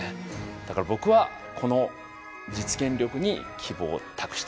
だから僕はこの実現力に希望を託したいなと思いました。